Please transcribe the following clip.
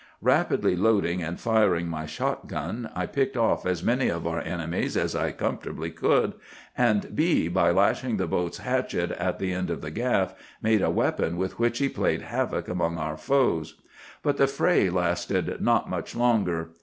"Rapidly loading and firing my shotgun, I picked off as many of our enemies as I comfortably could; and B——, by lashing the boat's hatchet on the end of the gaff, made a weapon with which he played havoc among our foes. "But the fray lasted not much longer.